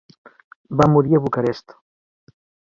Va morir a Bucarest.